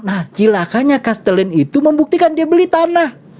nah jilakanya castellane itu membuktikan dia beli tanah